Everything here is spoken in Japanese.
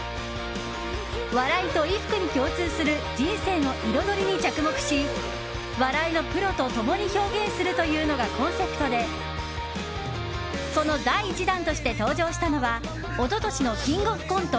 笑いと衣服に共通する人生の彩りに着目し笑いのプロと共に表現するというのがコンセプトでその第１弾として登場したのは一昨年の「キングオブコント」